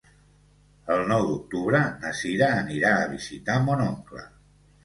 El nou d'octubre na Cira anirà a visitar mon oncle.